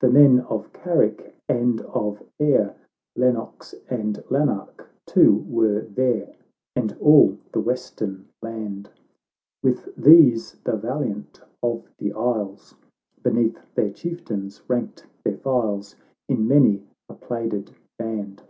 The men of Carrick and of Ayr, Lennox and Lanark too, were there, And all the western laud ; "With these the valiant of the Isles0 Beneath their chieftains ranked their files, In many a plaided band.